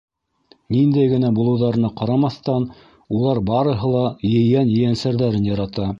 Ниндәй генә булыуҙарына ҡарамаҫтан, улар барыһы ла ейән-ейәнсәрҙәрен ярата.